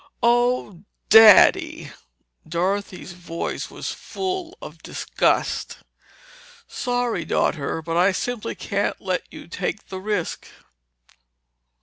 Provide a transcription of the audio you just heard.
"Oh, Daddy!" Dorothy's voice was full of disgust. "Sorry, daughter, but I simply can't let you take the risk."